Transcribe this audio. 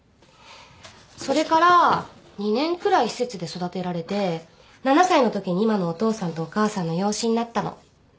それから２年くらい施設で育てられて７歳のときに今のお父さんとお母さんの養子になったの。